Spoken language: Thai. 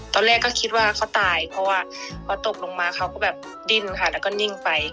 ตอนแรกก็คิดว่าเขาตายเพราะว่าพอตกลงมาเขาก็แบบดิ้นค่ะแล้วก็นิ่งไป